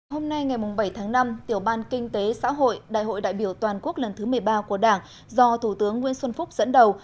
hôm nay ngày bảy tháng năm tiểu ban kinh tế xã hội đại hội đại biểu toàn quốc lần thứ một mươi ba của đảng do thủ tướng nguyễn xuân phúc dẫn đầu